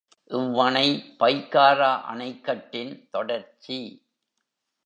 இவ்வணை பைக்காரா அணைக்கட்டின் தொடர்ச்சி.